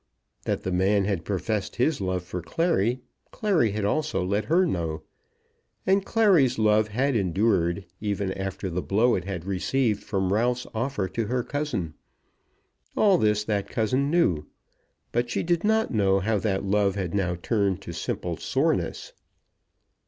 That the man had professed his love for Clary, Clary had also let her know. And Clary's love had endured even after the blow it had received from Ralph's offer to her cousin. All this that cousin knew; but she did not know how that love had now turned to simple soreness.